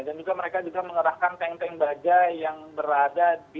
dan juga mereka juga mengerahkan tank tank baja yang berada di